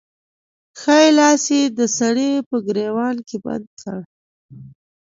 ښی لاس يې د سړي په ګرېوان کې بند کړ.